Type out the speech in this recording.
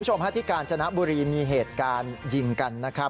คุณผู้ชมฮะที่กาญจนบุรีมีเหตุการณ์ยิงกันนะครับ